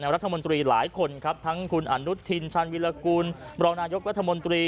รัฐมนตรีหลายคนครับทั้งคุณอนุทินชาญวิรากูลรองนายกรัฐมนตรี